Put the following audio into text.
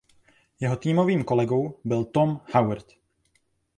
Jeho týmovým kolegou byl Tom Howard.